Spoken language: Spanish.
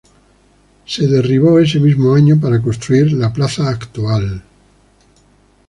Se derribó ese mismo año para construir la plaza actual.